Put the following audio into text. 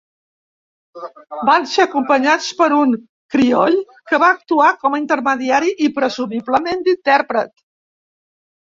Van ser acompanyats per un crioll que va actuar com a intermediari i, presumiblement, d'intèrpret.